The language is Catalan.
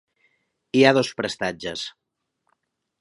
Hi ha dos prestatges.